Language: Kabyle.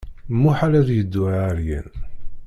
Muḥal ad yeddu ɛeryan.